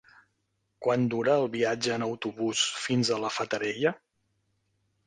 Quant dura el viatge en autobús fins a la Fatarella?